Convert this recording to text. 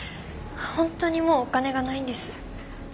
ホントにもうお金が無いんです。